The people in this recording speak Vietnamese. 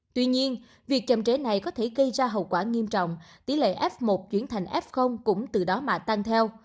tuy nhiên việc chậm trễ này có thể gây ra hậu quả nghiêm trọng tỷ lệ f một chuyển thành f cũng từ đó mà tăng theo